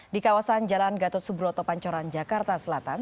di kawasan jalan gatot subroto pancoran jakarta selatan